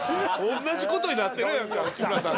同じことになってるやんか内村さんと。